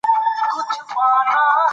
سونډ راشنه سول دهقان و اوبدل تارونه